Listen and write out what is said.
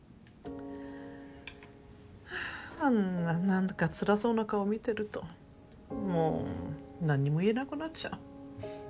ハァあんな何かつらそうな顔見てるともう何にも言えなくなっちゃう。